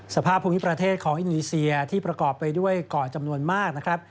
สภาพภูมิประเทศของอินโดนีเซียที่ประกอบไปด้วยเกาะจำนวนมากนะครับ